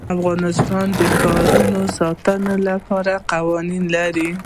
افغانستان د ښارونو د ساتنې لپاره قوانین لري.